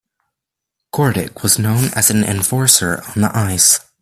Kordic was known as an enforcer on the ice.